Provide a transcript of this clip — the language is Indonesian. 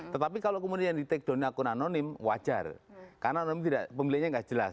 tetapi kalau kemudian di take down akun anonim wajar karena pemilihnya nggak jelas